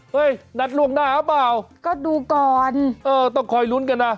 นัดล่วงหน้าหรือเปล่าก็ดูก่อนเออต้องคอยลุ้นกันนะ